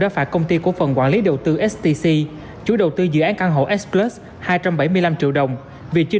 đã phạt công ty cổ phận quản lý đầu tư stc chủ đầu tư dự án căn hộ s plus hai trăm bảy mươi năm triệu đồng vì chưa